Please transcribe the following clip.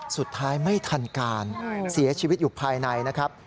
สุดท้ายไม่ทันการเสียชีวิตอยู่ภายในนะครับ